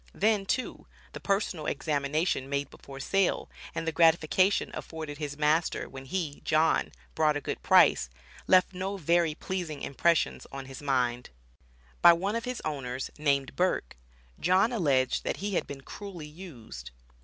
Then, too, the personal examination made before sale, and the gratification afforded his master when he (John), brought a good price left no very pleasing impressions on his mind. By one of his owners, named Burke, John alleged that he had been "cruelly used."